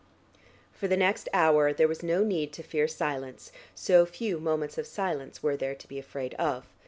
For the next hour there was no need to fear silence, so few moments of silence were there to be afraid of.